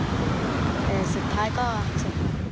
แต่สุดท้ายก็เสร็จ